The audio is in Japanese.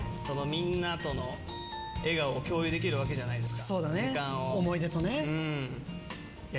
みんなとの笑顔を共有できるわけじゃないですか。